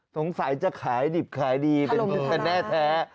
สงสัยจะขายดิบขายดีเป็นแน่แท้คลมดูธรรม